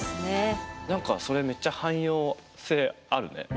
何かそれめっちゃ汎用性あるね。